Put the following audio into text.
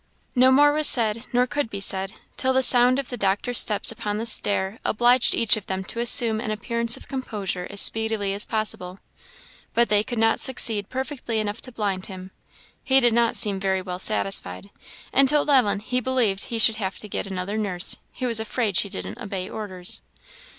No more was said, nor could be said, till the sound of the doctor's steps upon the stair obliged each of them to assume an appearance of composure as speedily as possible. But they could not succeed perfectly enough to blind him. He did not seem very well satisfied, and told Ellen he believed he should have to get another nurse he was afraid she didn't obey orders.